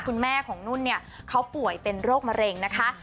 คุณแม่ของนุ่นเนี่ยเขาป่วยเป็นโรคมะเร็งนะคะ